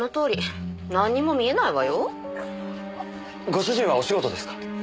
ご主人はお仕事ですか？